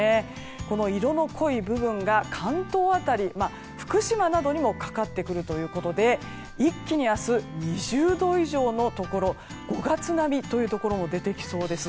この色の濃い部分が関東辺り福島などにもかかってくるということで一気に明日は２０度以上の５月並みというところも出てきそうです。